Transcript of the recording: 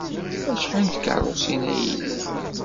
Acḥal n tkeṛṛusin ay ila?